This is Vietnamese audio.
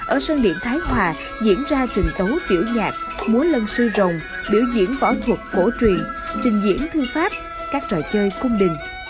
ở sơn điện thái hòa diễn ra trừng tấu tiểu nhạc múa lân sư rồng biểu diễn võ thuật cổ truyền trình diễn thư pháp các trò chơi cung đình